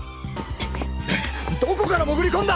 どこから潜り込んだ！？